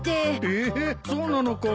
えっそうなのかい。